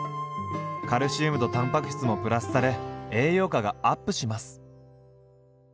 カルシウムとたんぱく質もプラスされ栄養価がアップします。